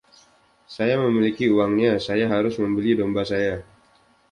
Saya memiliki uangnya saya harus membeli domba saya.